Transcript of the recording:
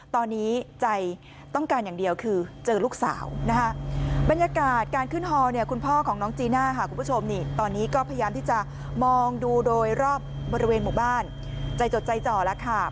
ตอนนี้ใจต้องการอย่างเดียวคือเจอลูกสาวนะคะบรรยากาศการขึ้นฮอเนี่ยคุณพ่อของน้องจีน่าค่ะคุณผู้ชมนี่ตอนนี้ก็พยายามที่จะมองดูโดยรอบบริเวณหมู่บ้านใจจดใจจ่อแล้วค่ะ